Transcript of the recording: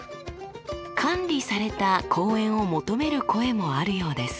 管理された公園を求める声もあるようです。